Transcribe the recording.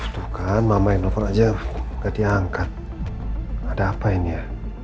tuh kan mama yang nelfon aja gak diangkat ada apa ini ya